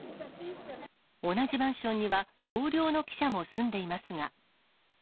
同じマンションには同僚の記者も住んでいますが。